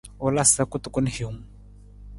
U la sa kutukun hiwung.